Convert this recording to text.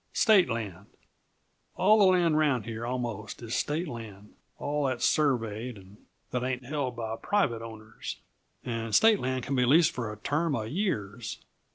State land. All the land around here almost is State land all that's surveyed and that ain't held by private owners. And State land can be leased for a term uh years.